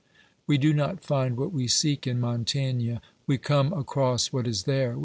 We do not find what we seek in Montaigne, we come across what is there.